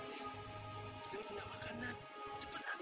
sekarang punya makanan